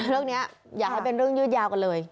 เรื่องนี้อย่าให้เป็นเรื่องยืดยาวกันเลย